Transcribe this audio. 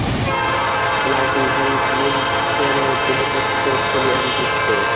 প্লাটিহেলমিনথেসের দেহত্বক সিলিয়াযুক্ত।